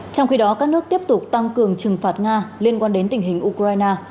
trong khi đó các nước tiếp tục tăng cường trừng phạt nga liên quan đến tình hình ukraine